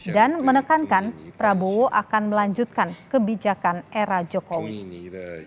dan menekankan prabowo akan melanjutkan kebijakan era jokowi